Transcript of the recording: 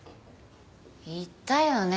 言ったよね？